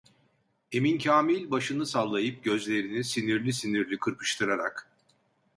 Emin Kâmil başını sallayıp gözlerini sinirli sinirli kırpıştırarak: